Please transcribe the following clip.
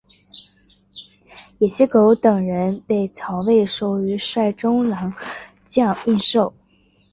掖邪狗等人被曹魏授予率善中郎将印绶。